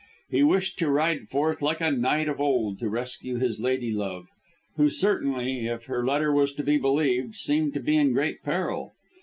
He wished to ride forth like a knight of old to rescue his lady love, who certainly, if her letter was to be believed, seemed to be in great peril.